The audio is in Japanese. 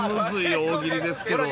大喜利ですけど。